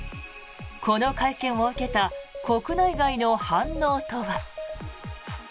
この会見を受けた国内外の反応とは。